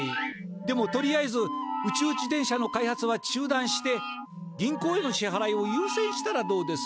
でもとりあえず宇宙自転車の開発は中だんして銀行へのしはらいをゆう先したらどうです？